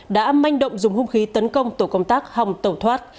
đã manh động dùng hung khí tấn công tổ công tác hồng tẩu thoát